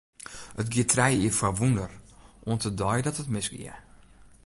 It gie trije jier foar wûnder, oant de dei dat it misgie.